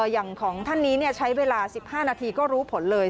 อย่างของท่านนี้ใช้เวลา๑๕นาทีก็รู้ผลเลย